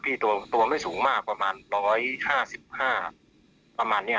เป็นตัวเงินมีรวมความสุขแบบนี้